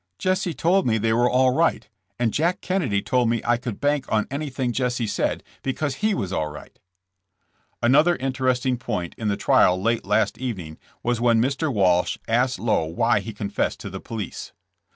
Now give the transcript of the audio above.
"Jesse told me they were all right, and Jack Kennedy told me I could bank on anything Jesse 144 JKSSS JAMES. said, because he was all right/' Another interesting point in the trial late last evening was when Mr. Walsh asked Lowe why he confessed to the police.